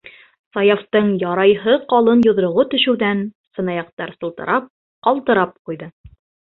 - Саяфтың ярайһы ҡалын йоҙроғо төшөүҙән сынаяҡтар сылтырап, ҡалтырап ҡуйҙы.